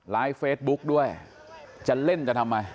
เฟซบุ๊กด้วยจะเล่นจะทำไม